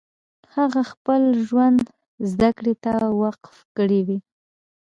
هغو خپل ژوند زدکړې ته وقف کړی و